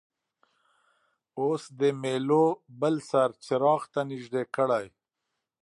اوس د میلو بل سر څراغ ته نژدې کړئ.